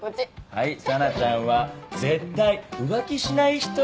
はい沙奈ちゃんは「絶対浮気しない人」。